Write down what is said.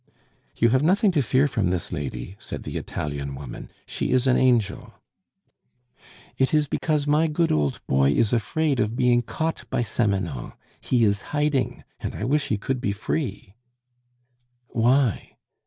"You have nothing to fear from this lady," said the Italian woman. "She is an angel." "It is because my good old boy is afraid of being caught by Samanon. He is hiding, and I wish he could be free " "Why?"